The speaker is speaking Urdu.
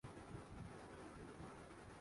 اس کا مطلب یہ ہوتا ہے